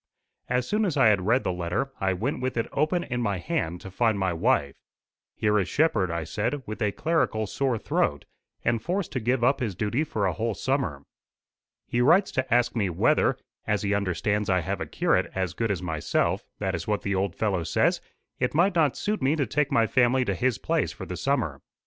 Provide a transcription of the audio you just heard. As soon as I had read the letter, I went with it open in my hand to find my wife. "Here is Shepherd," I said, "with a clerical sore throat, and forced to give up his duty for a whole summer. He writes to ask me whether, as he understands I have a curate as good as myself that is what the old fellow says it might not suit me to take my family to his place for the summer.